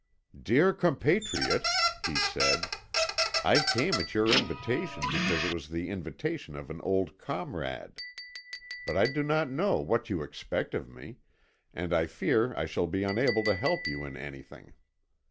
"Dear compatriot," he said, "I came at your invitation because it was the invitation of an old comrade. But I do not know what you expect of me, and I fear I shall be unable to help you in anything.